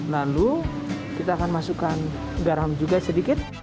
lalu kita akan masukkan garam juga sedikit